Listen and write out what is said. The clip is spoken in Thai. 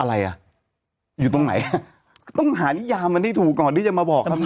อะไรอ่ะอยู่ตรงไหนอ่ะต้องหานิยามมันให้ถูกก่อนที่จะมาบอก